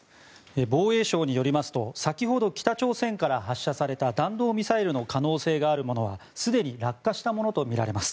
防衛省によりますと先ほど、北朝鮮から発射された弾道ミサイルの可能性があるものはすでに落下したものとみられます。